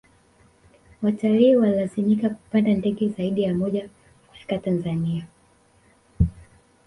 watalii walilazimika kupanda ndege zaidi ya moja kufika tanzania